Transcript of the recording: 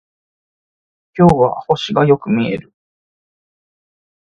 今日は星がよく見える